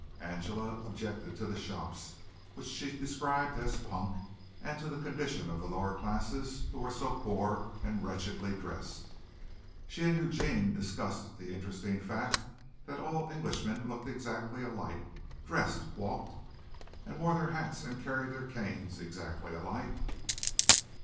Angela objected to the shops, which she described as "punk," and to the condition of the lower classes, who were so poor and wretchedly dressed. She and Eugene discussed the interesting fact that all Englishmen looked exactly alike, dressed, walked, and wore their hats and carried their canes exactly alike.